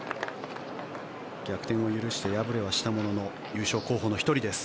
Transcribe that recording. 逆転を許して敗れはしたものの優勝候補の１人です。